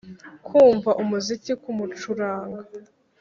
kumva umuziki kumucuranga.